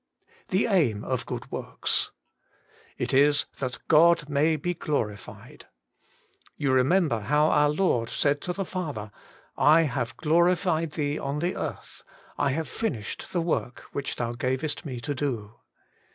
The aim of good zvorks. — It is, that God may be glorified. You remember how our Lord said to the Father :' I have glorified Thee on the earth, I have finished the work which Thou gavest Me to do.'